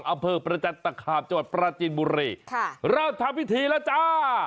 อำเภอประจัดตรรคาบประจินบุรีเริ่มทำพิธีแล้วจ้า